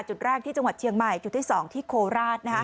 จุดแรกที่จังหวัดเชียงใหม่จุดที่๒ที่โคราช